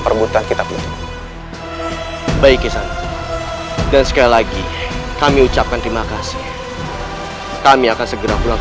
perbutan kitab itu baik kesan dan sekali lagi kami ucapkan terima kasih kami akan segera pulang